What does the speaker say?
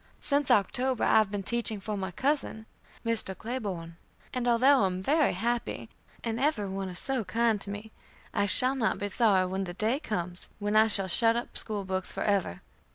Since October I have been teaching for my cousin, Mr. Claiborne, and although I am very happy, and every one is so kind to me, I shall not be sorry when the day comes when I shall shut up school books forever.